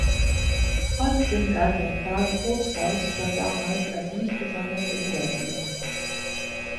Trotzdem galt das Carl-Koops-Haus schon damals als nicht besonders behindertengerecht.